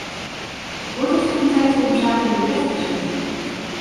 Wordt het geen tijd om de zaken weer recht te zetten?